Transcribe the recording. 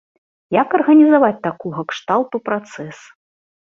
Як арганізаваць такога кшталту працэс?